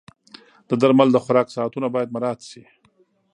د درملو د خوراک ساعتونه باید مراعت شي.